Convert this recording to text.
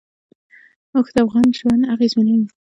اوښ د افغانانو ژوند اغېزمن کوي.